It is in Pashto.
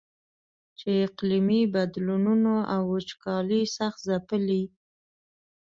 چې اقلیمي بدلونونو او وچکالۍ سخت ځپلی.